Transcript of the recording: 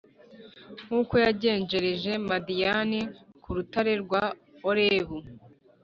nk’uko yagenjereje Madiyani ku rutare rwa Orebu,